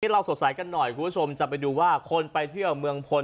เราสดใสกันหน่อยคุณผู้ชมจะไปดูว่าคนไปเที่ยวเมืองพล